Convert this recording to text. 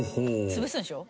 つぶすんでしょ。